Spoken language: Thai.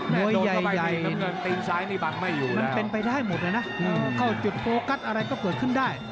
โมยใหญ่มันเป็นไปได้หมดเลยนะเข้าจุดโฟกัสอะไรก็เกิดขึ้นได้